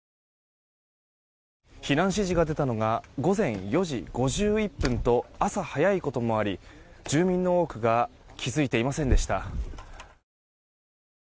避難指示が出たのは午前４時５１分と朝早いこともあり住民の多くが気づいていませんでした。